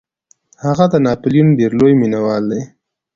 هغه د ناپلیون ډیر لوی مینوال دی.